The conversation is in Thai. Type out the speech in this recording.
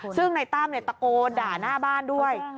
ซึ่งในตั้มตะโกนด่าหน้าบ้านด้วย